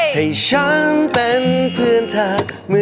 ให้ฉันเป็นเพื่อนเธอ